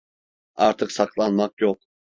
Artık saklanmak yok.